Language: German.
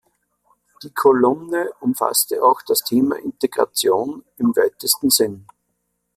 Die Kolumne umfasste auch das Thema Integration im weitesten Sinn.